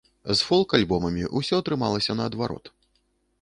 З фолк-альбомамі ўсё атрымалася наадварот.